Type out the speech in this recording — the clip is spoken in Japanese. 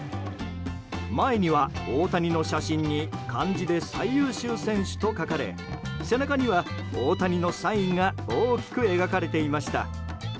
前には大谷の写真に漢字で最優秀選手と書かれ背中には大谷のサインが大きく描かれていました。